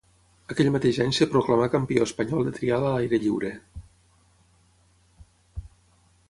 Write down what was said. Aquell mateix any es proclamà campió espanyol de trial a l'aire lliure.